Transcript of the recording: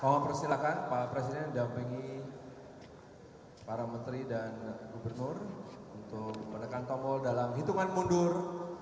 mohon persilakan pak presiden dan pengi para menteri dan gubernur untuk menekan tombol dalam hitungan mundur